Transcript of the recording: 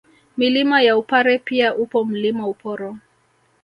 Milima ya Upare pia upo Mlima Uporo